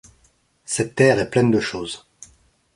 Cette terre est pleine de choses